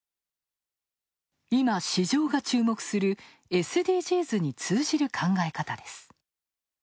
今、市場が注目するＳＤＧｓに通じる考え方です。